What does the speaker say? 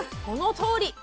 このとおり！